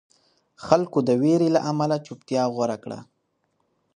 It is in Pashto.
خلکو د وېرې له امله چوپتیا غوره کړه.